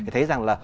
thấy rằng là